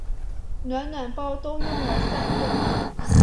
暖暖包都用了三个